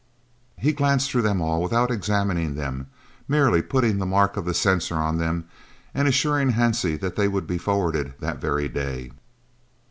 He glanced through them all without examining them, merely putting the mark of the censor on them and assuring Hansie that they would be forwarded that very day.